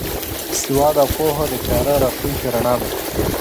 سواد او پوهه د تیاره راتلونکي رڼا ده.